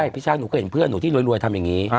พี่ชักหนูเคยเห็นเพื่อนหนูที่รวยทำแบบนี้